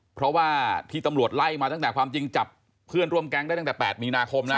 เพราะว่าที่ตำรวจไล่มาตั้งแต่ความจริงจับเพื่อนร่วมแก๊งได้ตั้งแต่๘มีนาคมนะ